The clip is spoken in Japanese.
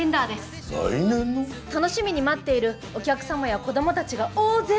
楽しみに待っているお客様や子どもたちが大勢いるはずです。